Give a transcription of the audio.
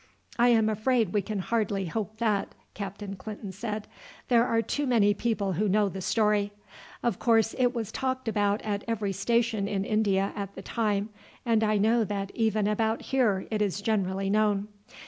"I am afraid we can hardly hope that," Captain Clinton said. "There are too many people who know the story. Of course it was talked about at every station in India at the time, and I know that even about here it is generally known.